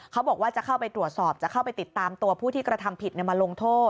เขาบอกว่าจะเข้าไปตรวจสอบจะเข้าไปติดตามตัวผู้ที่กระทำผิดมาลงโทษ